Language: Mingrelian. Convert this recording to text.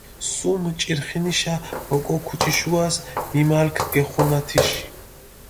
სუმ ჭირხინიშა ოკო ქუჭიშუას მიმალქჷ გეხუნა თიში.